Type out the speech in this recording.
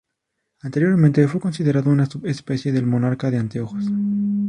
Anteriormente fue considerado una subespecie del monarca de anteojos.